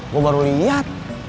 gue baru lihat